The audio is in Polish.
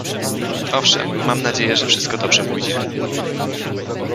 Owszem, mam nadzieję, że wszystko dobrze pójdzie.